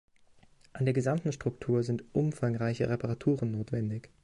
An der gesamten Struktur sind umfangreiche Reparaturen notwendig.